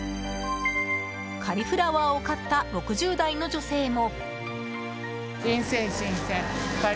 カリフラワーを買った６０代の女性も。